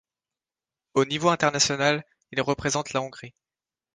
Au niveau international, il représente la Hongrie.